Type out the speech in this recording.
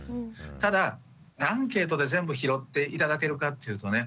ただアンケートで全部拾って頂けるかっていうとね